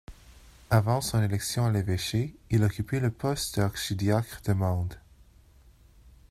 Avant son élection à l'évêché, il occupait le poste de d'archidiacre de Mende.